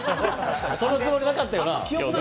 そのつもりなかったよな？